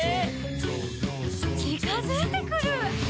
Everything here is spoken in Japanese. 「ちかづいてくる！」